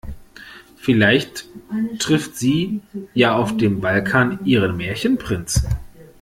Vielleicht trifft sie ja auf dem Balkan ihren Märchenprinz.